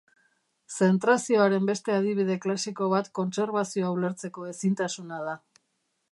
Zentrazioaren beste adibide klasiko bat kontserbazioa ulertzeko ezintasuna da.